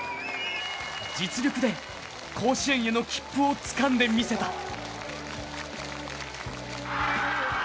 実力で甲子園への切符をつかんでみせた。